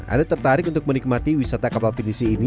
ada tertarik untuk menikmati wisata kapal pinisi